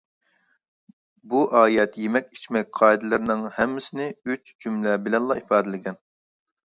بۇ ئايەت يېمەك-ئىچمەك قائىدىلىرىنىڭ ھەممىسىنى ئۈچ جۈملە بىلەنلا ئىپادىلىگەن.